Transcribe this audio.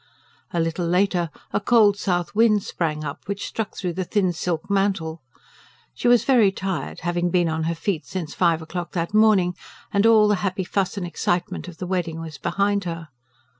A little later a cold south wind sprang up, which struck through her thin silk mantle; she was very tired, having been on her feet since five o'clock that morning; and all the happy fuss and excitement of the wedding was behind her.